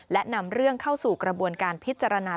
และนำเรื่องเข้าสู่กระบวนการพิจารณา